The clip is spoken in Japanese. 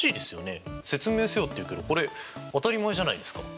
「説明せよ」っていうけどこれ当たり前じゃないですか。